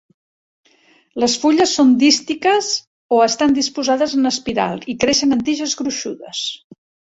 Les fulles són dístiques o estan disposades en espiral, i creixen en tiges gruixudes.